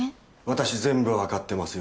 私全部分かってます